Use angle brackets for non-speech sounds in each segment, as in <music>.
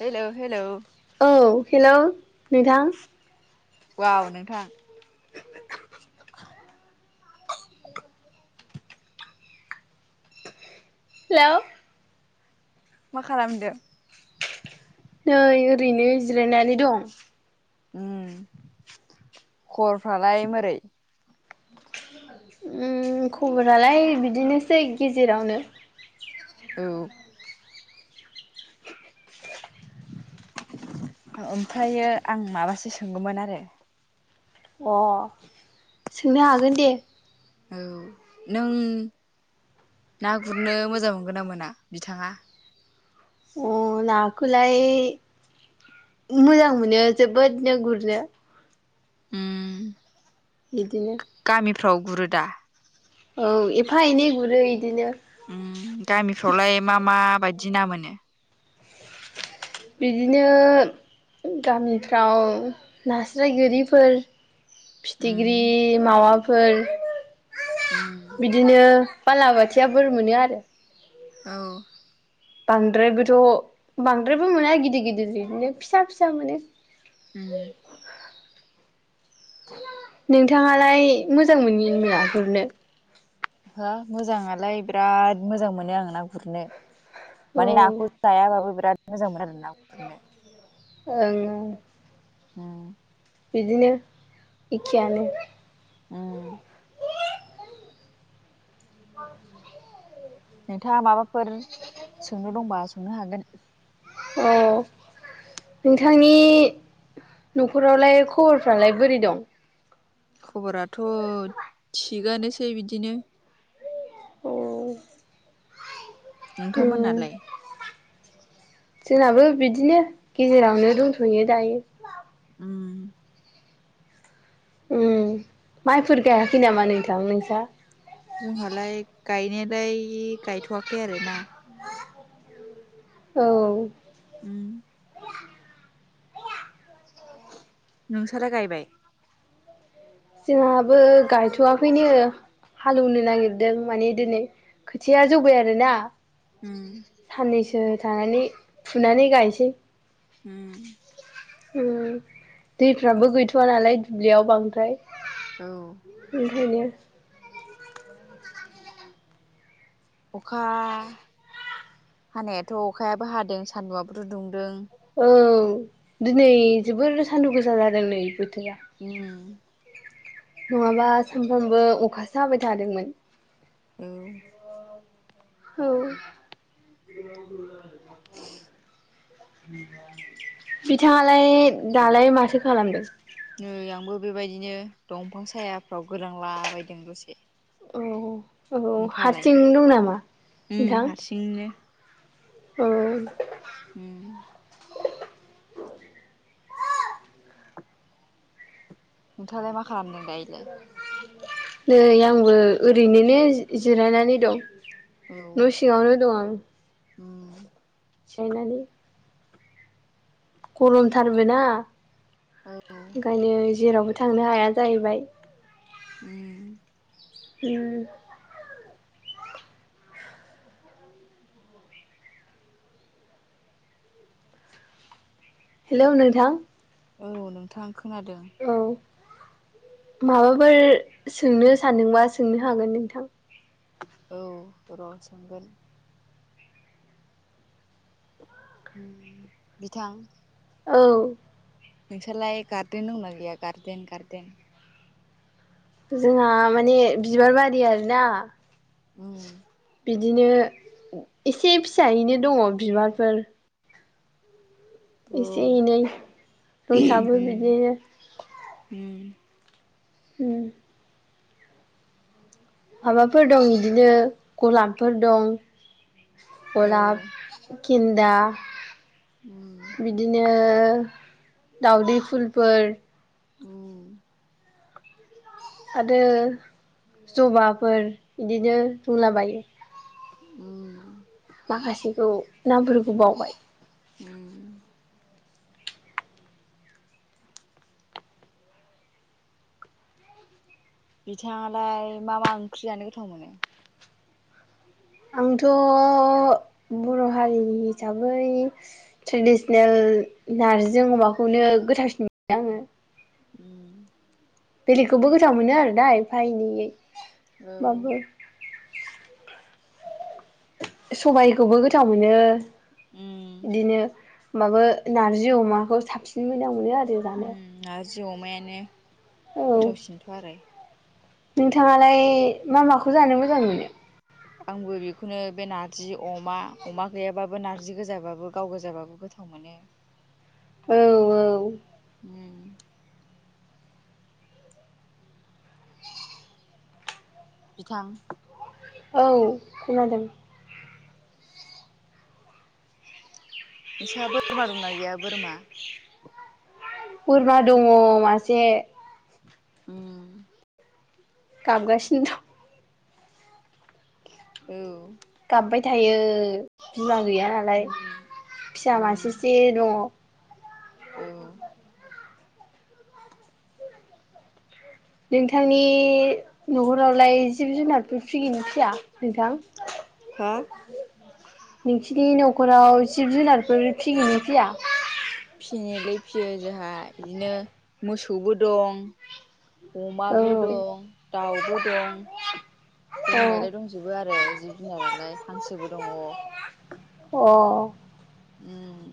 Hello hello औ hello नोंथां वाव नोंथां <inaudible> हेलौ मा खालामदो नै ओरैनो जिरायनानै दं उम खबफ्रालाय मारै ओम खबरालाय बिदिनोसै गेजेरावनो औ ओमफ्राय आं माबासो सोंगौमोन आरो अ सोंनो हागोन दे औ नों ना गुरनो मोजां मोनगोना मोना बिथाङा अ नाखौलाय मोजां मोनो जोबोदनो गुरनो उम बिदिनो गामिफ्राव गुरोदा औ एफा एनै गुरो इदिनो उम गामिफ्रावलाय मा मा बायदि ना मोनो <inaudible> बिदिनो गामिफ्राव नास्राय गोरिफोर उम फिथिख्रि माबाफोर उम बिदिनो बालाबाथिया बोर मोनो आरो औ बांद्रायबोथ' बांद्रायबो मोना गिदिर गिदिर बिदिनो फिसा फिसा मोनो उम नोंथाङालाय मोजां मोनगोन ना मोना गुरनो हो मोजाङालाय बिराद मोजां मोनो आं ना गुरनो औ माने नाखौ जाया बाबो बिराद मोजां मोनो आरोना ओं ओं होम बिदिनो इखेयानो ओम <inaudible> नोंथाङा माबाफोर सोंनो दंबा सोंनो हागोन औ नोंथांनि न'खरावलाय खबरफ्रालाय बोरै दं खबराथ' थिगानोसै बिदिनो औ नोंथांमोनालाय जोंनाबो बिदिनो गेजेरावनो दंथ'यो दायो उम उम माइफोर गायाखै नामा नोंथां नोंस्रा? जोंहालाय गायनायलाय गायथ'वाखै आरोना औ उम नोंसोरलाय गायबाय? जोंहाबो गायथ'वाखैनो हालेवनो नागिरदों माने दिनै खोथिया जौबाय आरोना उम जो थानानै फुनानै गायनोसै उम ओम दैफ्राबो गैथया नालाय दुब्लियाव बांद्राय औ। <unintelligible> अखा हानायाथ' अखायाबो हादों सान्दुयाबोथ दुंदों औ दिनै जोबोर सान्दुं गोसा जादों नै बो उम नंङाबा सानफ्रामबो अखासो हाबाय थादोंमोन औ औ बिथांङालाय दालाय माथो खालामदों नै आंबो बेबायदिनो दंफां सायाफ्राव गोलांलाबायदों दसे औ औ नोंथाङालाय? हारसिं दं नामा उम नोंथां हारसिंनो औ उम। नोंथांङालाय मा खालामदों दायोलाय? नै आंबो ओरैननो जिरायनानै दं औ न' सिङावनो दंङं आं उम <unintelligible> <unintelligible> गरमथारबो ना औ ओंखायनो जेरावबो थांनो हाया जाहैबाय उम उम हेलौ नोंथां औ नोंथां खोनादों औ माबाफोर सोंनो सानदोंबा सोंनो हागोन नोंथां औ र' सोंगोन बिथां औ। नोंसालाय गारदेन दंना‌ गैया गारदेन? जोंहा माने बिबार बारि आरोना। उम। बिदिनो एसे फिसायैनो दंङो बिबारफोर औ इसे एनै दंसाबो बिदिनो उम उम। माबाफोर दं बिदिनो गलाबफोर दं औ गलाब, गिन्दा उम बिदिनो दाउदै फुलफोर। उम आरो जबाफोर बिदिनो रुलाबायो। उम। माखासेखौ नामफोरखौ बावबाय। उम बिथाङालाय मा मा ओंख्रियानो गोथाव मोनो। आंथ' बर' हारिनि हिसाबै ट्रेडिसनेल। नार्जिजों अमाखौनो गोथावसिन मोनो आङो। उम। बेलिखौबो गोथाव मोनो आरो दा एफा एनैै। औ। सबायखौबो गोथाव मोनो उम बिदिनो माबा। नारजि अमाखौ साबसिन मोजां मोनो आरो जानो। जि अमायानो औ गोथावसिनथ' आरो नोंथाङालाय मा माखौ जानो मोजां मोनो। आंबो बेखौनो बे नारजि अमा अमा गैयाबाबो नारजि गोजाबाबो गाव गोजाबाबो गोथाव। गोथाव मोनो। औ औ। उम <inaudible> बिथां। औ खोनादों। नोंसाहा बोरमा दंना गैया बोरमा? बोरमा दङ मासे ओ गाबगासिनि दं। औ। गाबबाय थायो। बिमा गैया नालाय उम फिसा उम मासे से दङ। औ। नोंथांनि न'खरावलाय। जिब जुनारफोर फियो ना फिया नोंथां हा नोंसिनि न न'खराव जिब जुनारफोर फिगोन ना फैया। फिसियो जोंहा बिदिनो मोसौबो दं। औ अमाबो दं दाउबो दं। दंनायालाय दंजोबो आरो जिब जुनारालाय हांसोबो दङ। औ। उम।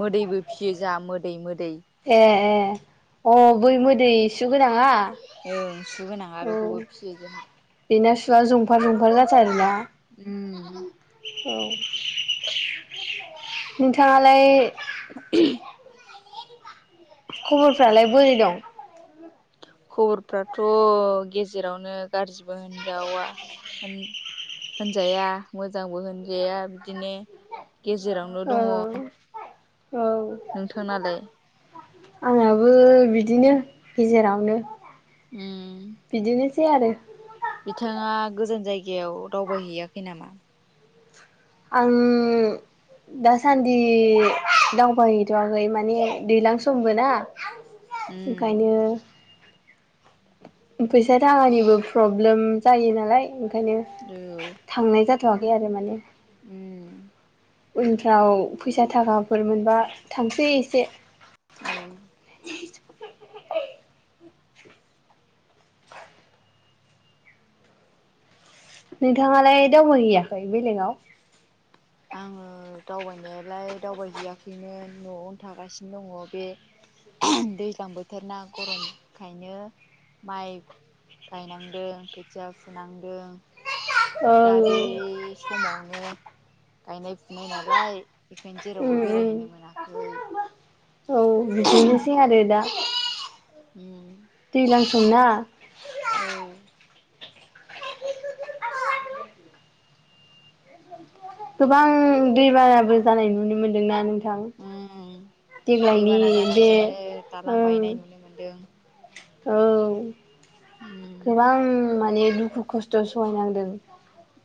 मोदैबो फिसियो जा मोदै मोदै। ए ए अ बै मोदै सु गोनाङा? ओं सुगोनाङा बेखौबो फिसियो जोंहा। बेना सुवा जंफार जंफार जाथारो आरोना उम औ नोंथाङालाय <inaudible> खबरफ्रालाय बोरै दं खबरफ्राथ' गेजेरावनो गाज्रिबो होनजावा होनजाया मोजांबो होनजाया बिदिनो गेजेरावनो औ दङ औ नोंथांनालाय आंहाबो बिदिनो गेजेरावनो ओ सेै आरो बिथाङा गोजान जायगायाव दावबायहैयाखै नामा आं दासान्दि दावबायहैथ'आगै माने दै्लां समबो ना उम ओंखायनो फैसा थाखानिबो प्रब्लेम जायो नालाय ओंखायनो औ थांनाय जाथवाखै आरो माने उम उनफ्राव फैसा थाखाफोर मोनबा थांसै एसे औ नोंथाङालाय दावबायहैयाखै बेलेगाव आङो दावबायनायालाय दावबायहैयाखैमोन न'आवनो थागासिनो दङ बे दैज्लां बोथोर ना गरमखायनो माइ गायनांदों खोथिया फुनांदों दा ओं बे समावनो गायनाय फुनाय नालाय बेखायनो जेरावबो उम उम बेरायहैनो मोनाखै औ बिदिनोसै आरो दा दै्लां समना औ गोबां दैबानाबो जानाय नुनो मोनदोंना नोंथां उम देग्लायनि दैबाना बे जानायजोंनो दालां ओं बायनाय नुनो मोनदों औ उम गोबां माने दुखु खस्थ' सहायनांदों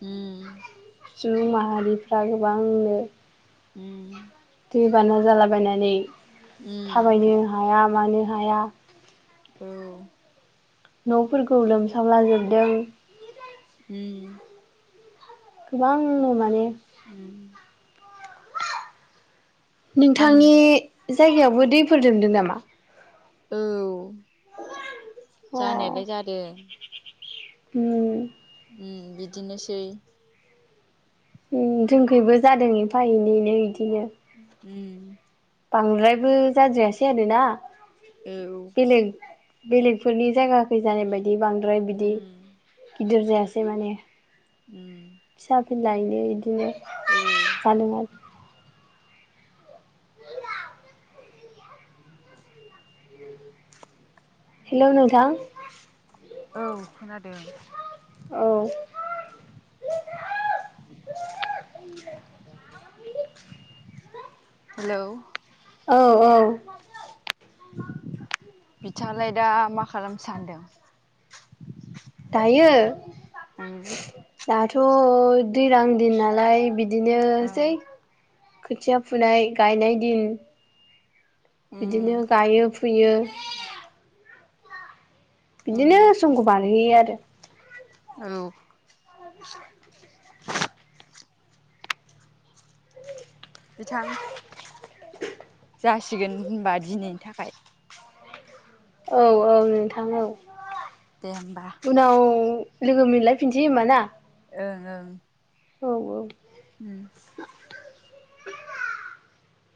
उम सुबुं माहारिफ्रा गोबांनो उम दैबाना जालाबायनानै उम थाबायनो हाया मानो हाया औ न'फोरखौ लोमसावला जोबदों उम गोबां माने उम आं नोंथांनि जायगायावबो दैफोर लोमदों नामा औ अ जानायालाय जादों उम उम बिदिनोसै जोंखैबो जादों एफा एनैनो बिदिनो उम बांद्रायबो जाद्रायासै आरोना औ बेलेक बेलेग बेफोरनि जायगाखै जानाय बायदि बांद्राय बिदि उम गिदिर जायासै माने उम फिसा फिलायनि बिदिनो औ जादोंआरोना हेलौ नोंथां औ खोनादों औ हेलौ औ औ बिथाङालाय दा मा खालामनो सानदों दायो <unintelligible> <unintelligible> दिन नालाय बिदिनोसै ओं खोथिया फुनाय गायनाय दिन उम बिदिनो गायो फु फुयो उम बिदिनो समखौ बारहोयो आरो औ बिथां जासिगोन होनबा दिनैनि थाखाय औ - औ नोंथां औ दे होमबा उनाव लोगो मोनलायफिनसै होमा ना ओं - ओं औ - औ उम